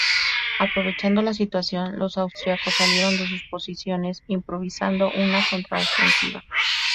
Aprovechando la situación, los austríacos salieron de sus posiciones improvisando una contraofensiva.